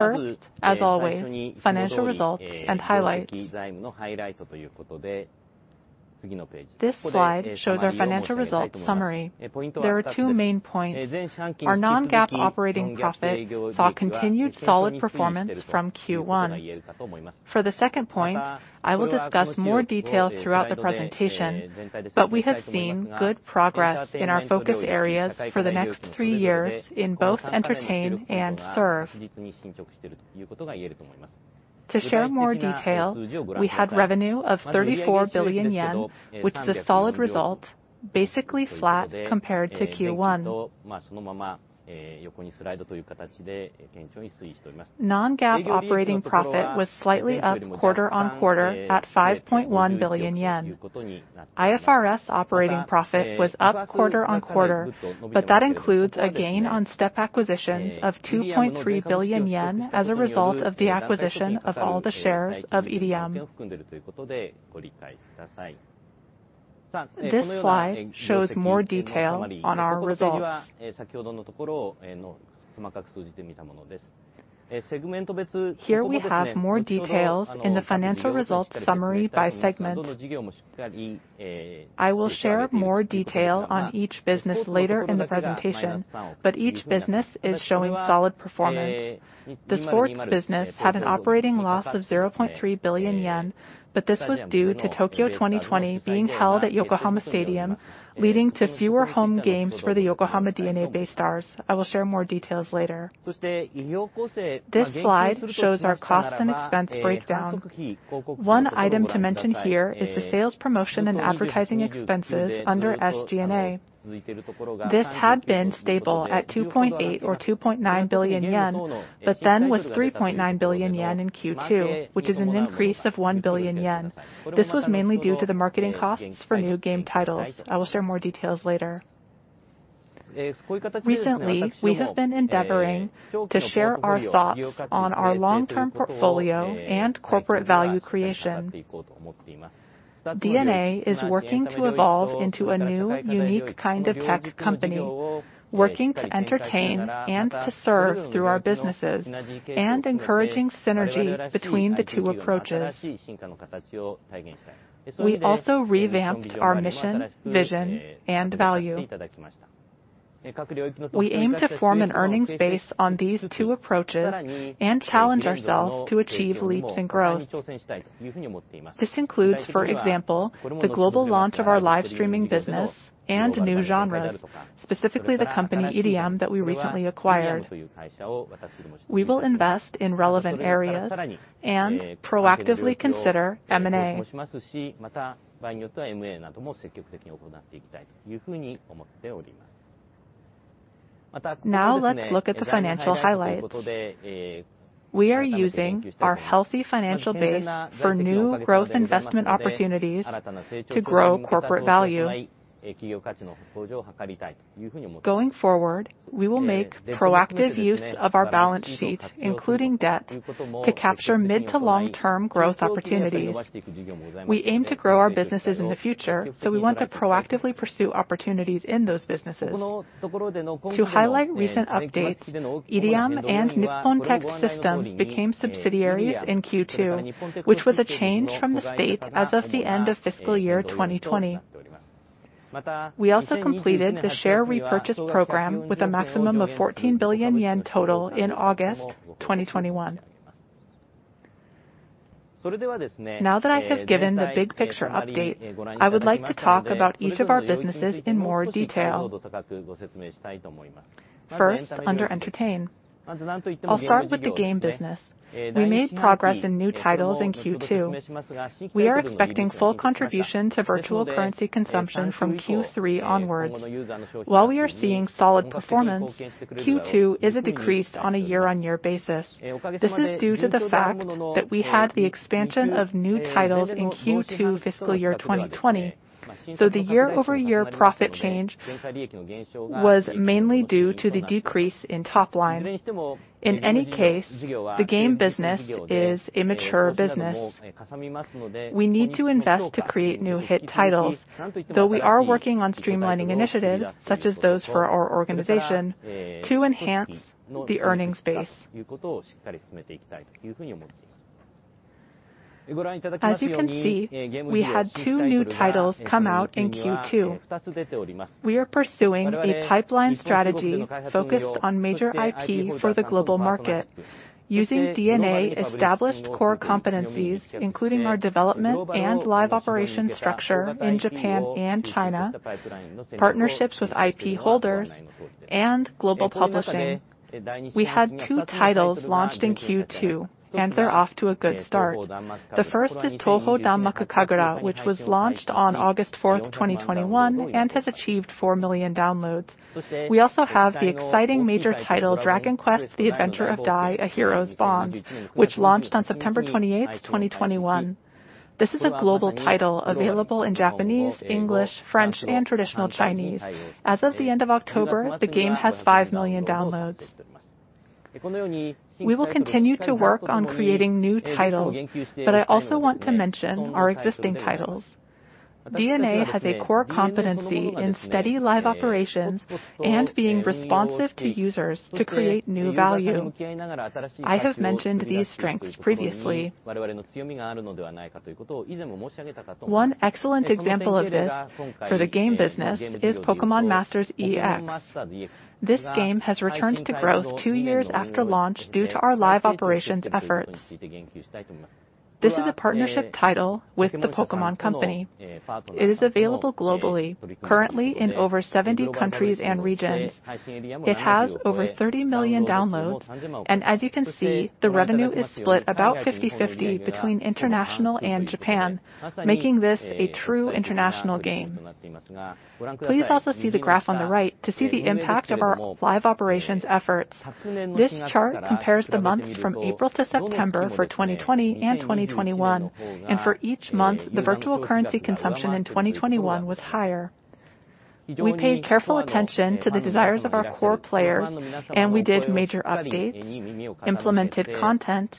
First, as always, financial results and highlights. This slide shows our financial results summary. There are two main points. Our non-GAAP operating profit saw continued solid performance from Q1. For the second point, I will discuss more detail throughout the presentation, but we have seen good progress in our focus areas for the next three years in both entertain and serve. To share more detail, we had revenue of 34 billion yen, which is a solid result, basically flat compared to Q1. Non-GAAP operating profit was slightly up quarter-on-quarter at 5.1 billion yen. IFRS operating profit was up quarter-on-quarter, but that includes a gain on step acquisitions of 2.3 billion yen as a result of the acquisition of all the shares of IEM. This slide shows more detail on our results. Here we have more details in the financial results summary by segment. I will share more detail on each business later in the presentation, but each business is showing solid performance. The sports business had an operating loss of 0.3 billion yen, but this was due to Tokyo 2020 being held at Yokohama Stadium, leading to fewer home games for the Yokohama DeNA BayStars. I will share more details later. This slide shows our costs and expense breakdown. One item to mention here is the sales, promotion, and advertising expenses under SG&A. This had been stable at 2.8 or 2.9 billion yen, but then was 3.9 billion yen in Q2, which is an increase of 1 billion yen. This was mainly due to the marketing costs for new game titles. I will share more details later. Recently, we have been endeavoring to share our thoughts on our long-term portfolio and corporate value creation. DeNA is working to evolve into a new, unique kind of tech company, working to entertain and to serve through our businesses and encouraging synergy between the two approaches. We also revamped our mission, vision, and value. We aim to form an earnings base on these two approaches and challenge ourselves to achieve leaps and growth. This includes, for example, the global launch of our live streaming business and new genres, specifically IRIAM that we recently acquired. We will invest in relevant areas and proactively consider M&A. Now let's look at the financial highlights. We are using our healthy financial base for new growth investment opportunities to grow corporate value. Going forward, we will make proactive use of our balance sheet, including debt, to capture mid to long-term growth opportunities. We aim to grow our businesses in the future, so we want to proactively pursue opportunities in those businesses. To highlight recent updates, EDM and Nippon Tech Systems became subsidiaries in Q2, which was a change from the state as of the end of fiscal year 2020. We also completed the share repurchase program with a maximum of 14 billion yen total in August 2021. Now that I have given the big-picture update, I would like to talk about each of our businesses in more detail. First, under Entertainment. I'll start with the game business. We made progress in new titles in Q2. We are expecting full contribution to virtual currency consumption from Q3 onwards. While we are seeing solid performance, Q2 is a decrease on a year-on-year basis. This is due to the fact that we had the expansion of new titles in Q2 fiscal year 2020, so the year-over-year profit change was mainly due to the decrease in top line. In any case, the game business is a mature business. We need to invest to create new hit titles, though we are working on streamlining initiatives, such as those for our organization, to enhance the earnings base. As you can see, we had two new titles come out in Q2. We are pursuing a pipeline strategy focused on major IP for the global market using DeNA-established core competencies, including our development and live operation structure in Japan and China, partnerships with IP holders, and global publishing. We had two titles launched in Q2, and they're off to a good start. The first is Touhou Danmaku Kagura, which was launched on August 4, 2021, and has achieved 4 million downloads. We also have the exciting major title Dragon Quest: The Adventure of Dai: A Hero's Bond, which launched on September 28, 2021. This is a global title available in Japanese, English, French, and traditional Chinese. As of the end of October, the game has 5 million downloads. We will continue to work on creating new titles, but I also want to mention our existing titles. DeNA has a core competency in steady live operations and being responsive to users to create new value. I have mentioned these strengths previously. One excellent example of this for the game business is Pokémon Masters EX. This game has returned to growth two years after launch due to our live operations efforts. This is a partnership title with The Pokémon Company. It is available globally, currently in over 70 countries and regions. It has over 30 million downloads, and as you can see, the revenue is split about 50/50 between international and Japan, making this a true international game. Please also see the graph on the right to see the impact of our live operations efforts. This chart compares the months from April to September for 2020 and 2021, and for each month, the virtual currency consumption in 2021 was higher. We paid careful attention to the desires of our core players, and we did major updates, implemented content,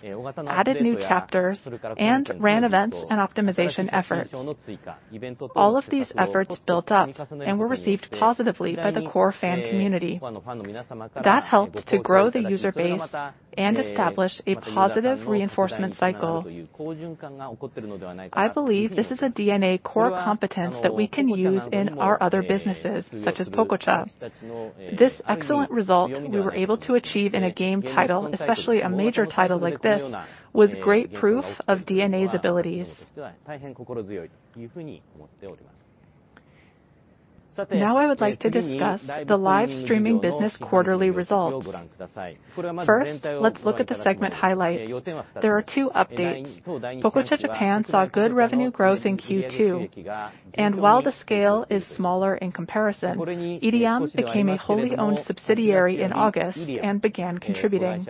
added new chapters, and ran events and optimization efforts. All of these efforts built up and were received positively by the core fan community. That helped to grow the user base and establish a positive reinforcement cycle. I believe this is a DeNA core competence that we can use in our other businesses, such as Pococha. This excellent result we were able to achieve in a game title, especially a major title like this, was great proof of DeNA's abilities. Now I would like to discuss the live streaming business quarterly results. First, let's look at the segment highlights. There are two updates. Pococha Japan saw good revenue growth in Q2, and while the scale is smaller in comparison, IRIAM became a wholly-owned subsidiary in August and began contributing.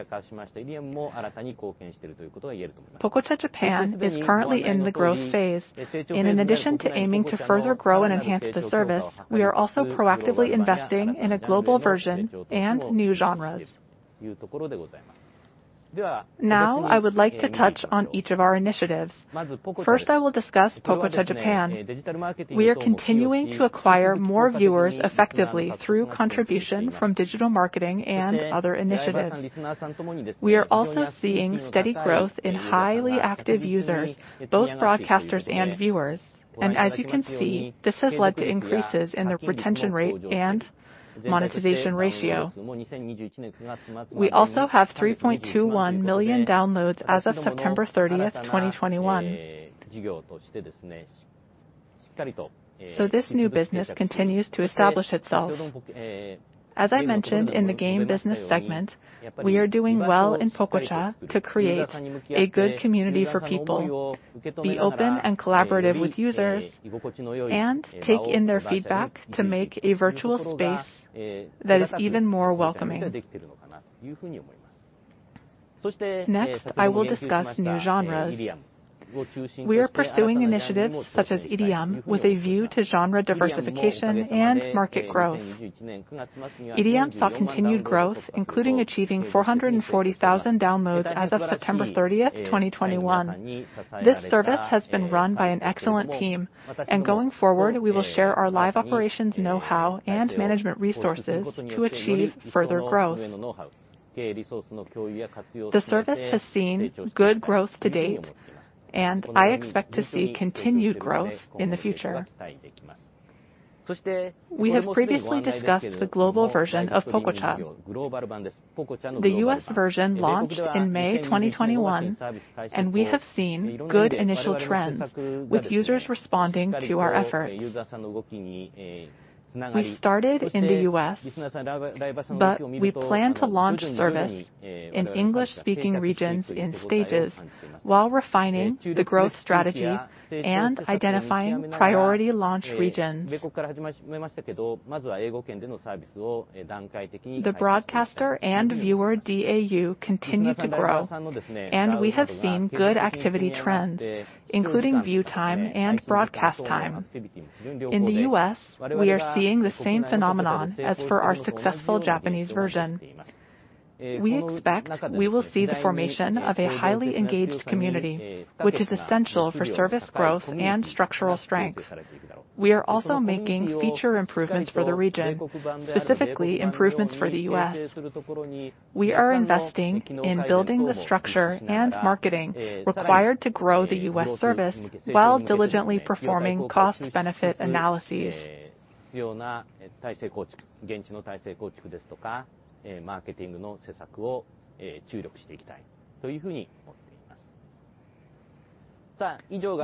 Pococha Japan is currently in the growth phase, and in addition to aiming to further grow and enhance the service, we are also proactively investing in a global version and new genres. Now, I would like to touch on each of our initiatives. First, I will discuss Pococha Japan. We are continuing to acquire more viewers effectively through contribution from digital marketing and other initiatives. We are also seeing steady growth in highly active users, both broadcasters and viewers. As you can see, this has led to increases in the retention rate and monetization ratio. We also have 3.21 million downloads as of September 30, 2021. This new business continues to establish itself. As I mentioned in the game business segment, we are doing well in Pococha to create a good community for people, be open and collaborative with users, and take in their feedback to make a virtual space that is even more welcoming. Next, I will discuss new genres. We are pursuing initiatives such as IRIAM with a view to genre diversification and market growth. IRIAM saw continued growth, including achieving 440,000 downloads as of September 30, 2021. This service has been run by an excellent team, and going forward, we will share our live operations know-how and management resources to achieve further growth. The service has seen good growth to date, and I expect to see continued growth in the future. We have previously discussed the global version of Pococha. The U.S. version launched in May 2021, and we have seen good initial trends, with users responding to our efforts. We started in the U.S., but we plan to launch service in English-speaking regions in stages while refining the growth strategy and identifying priority launch regions. The broadcaster and viewer DAU continue to grow, and we have seen good activity trends, including view time and broadcast time. In the U.S., we are seeing the same phenomenon as for our successful Japanese version. We expect we will see the formation of a highly engaged community, which is essential for service growth and structural strength. We are also making feature improvements for the region, specifically improvements for the U.S. We are investing in building the structure and marketing required to grow the U.S. service while diligently performing cost-benefit analyses.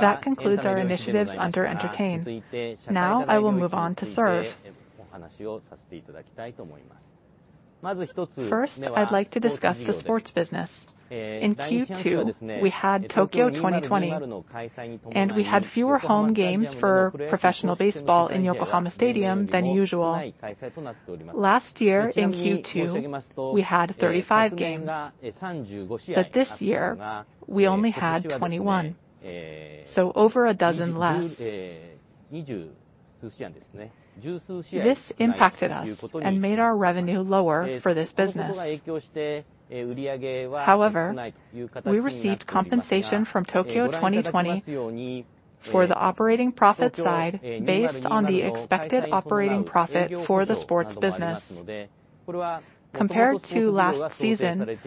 That concludes our initiatives under entertain. Now I will move on to serve. First, I'd like to discuss the sports business. In Q2, we had Tokyo 2020, and we had fewer home games for professional baseball in Yokohama Stadium than usual. Last year in Q2, we had 35 games, but this year, we only had 21, so over a dozen less. This impacted us and made our revenue lower for this business. However, we received compensation from Tokyo 2020 for the operating profit side based on the expected operating profit for the sports business. Compared to last season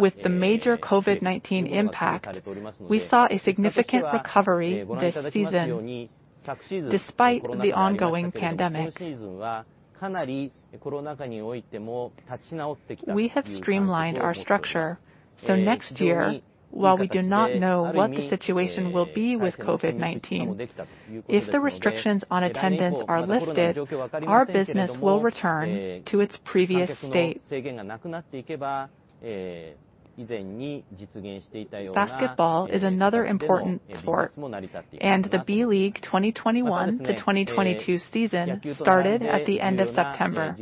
with the major COVID-19 impact, we saw a significant recovery this season despite the ongoing pandemic. We have streamlined our structure, so next year, while we do not know what the situation will be with COVID-19, if the restrictions on attendance are lifted, our business will return to its previous state. Basketball is another important sport and the B.League 2021-2022 season started at the end of September.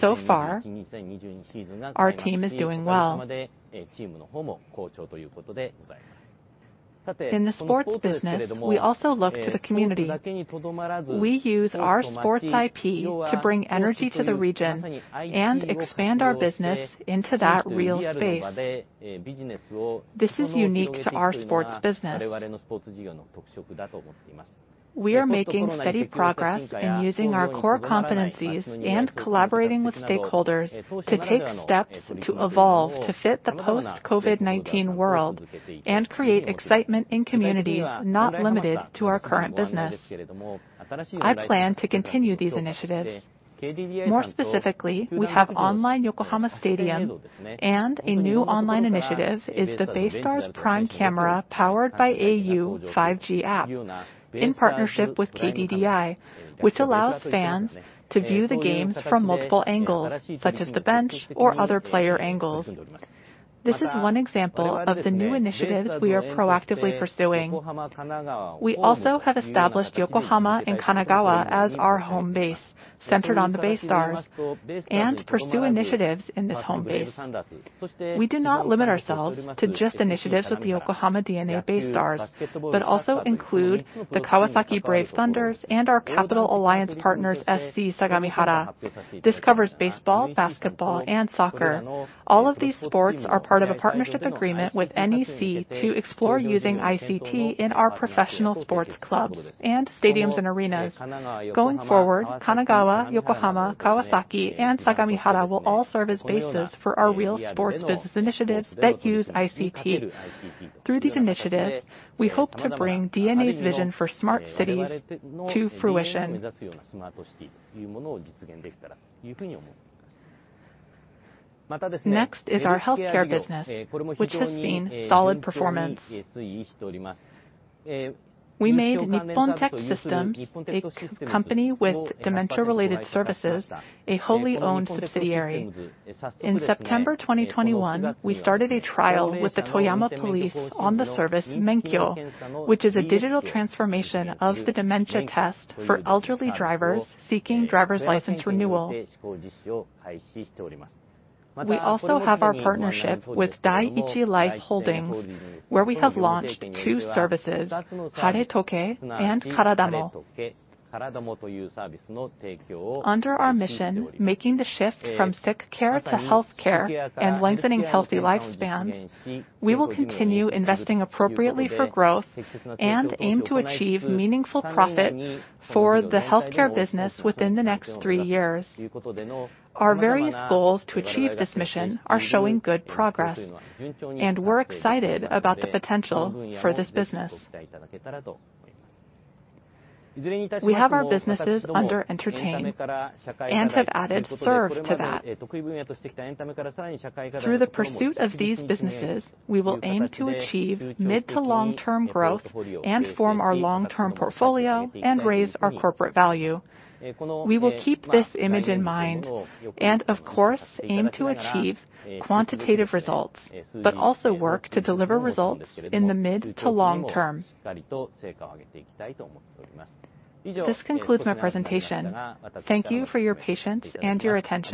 So far, our team is doing well. In the sports business, we also look to the community. We use our sports IP to bring energy to the region and expand our business into that real space. This is unique to our sports business. We are making steady progress in using our core competencies and collaborating with stakeholders to take steps to evolve to fit the post-COVID-19 world and create excitement in communities not limited to our current business. I plan to continue these initiatives. More specifically, we have online Yokohama Stadium and a new online initiative is the BayStars Prime Camera powered by au 5G app in partnership with KDDI, which allows fans to view the games from multiple angles, such as the bench or other player angles. This is one example of the new initiatives we are proactively pursuing. We also have established Yokohama and Kanagawa as our home base centered on the BayStars and pursue initiatives in this home base. We do not limit ourselves to just initiatives with the Yokohama DeNA BayStars, but also include the Kawasaki Brave Thunders and our Capital Alliance partners SC Sagamihara. This covers baseball, basketball and soccer. All of these sports are part of a partnership agreement with NEC to explore using ICT in our professional sports clubs and stadiums and arenas. Going forward, Kanagawa, Yokohama, Kawasaki, and Sagamihara will all serve as bases for our real sports business initiatives that use ICT. Through these initiatives, we hope to bring DeNA's vision for smart cities to fruition. Next is our healthcare business, which has seen solid performance. We made NipponTech Systems, a company with dementia-related services, a wholly owned subsidiary. In September 2021, we started a trial with the Toyama police on the service MENKYO, which is a digital transformation of the dementia test for elderly drivers seeking driver's license renewal. We also have our partnership with Dai-ichi Life Holdings, where we have launched two services, Haretoke and Caradamo. Under our mission, making the shift from sick care to health care and lengthening healthy lifespans, we will continue investing appropriately for growth and aim to achieve meaningful profit for the healthcare business within the next three years. Our various goals to achieve this mission are showing good progress, and we're excited about the potential for this business. We have our businesses under entertain and have added serve to that. Through the pursuit of these businesses, we will aim to achieve mid- to long-term growth and form our long-term portfolio and raise our corporate value. We will keep this image in mind and of course aim to achieve quantitative results, but also work to deliver results in the mid- to long term. This concludes my presentation. Thank you for your patience and your attention.